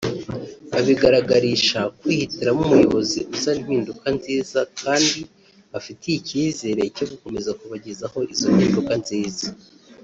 babigaragarisha kwihitiramo umuyobozi uzana impinduka nziza kandi bafitiye icyizere cyo gukomeza kubagezaho izo mpinduka nziza